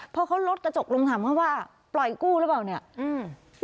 พอเขาลดกระจกลงถามเขาว่าปล่อยกู้หรือเปล่าเนี่ยอืม